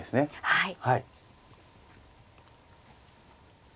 はい。